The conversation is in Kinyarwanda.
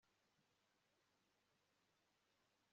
ndabaga yahaye mariya ibyokurya byinshi cyane